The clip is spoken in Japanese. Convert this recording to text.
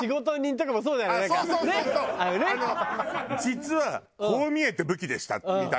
実はこう見えて武器でしたみたいな。